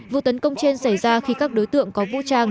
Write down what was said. vụ tấn công trên xảy ra khi các đối tượng có vũ trang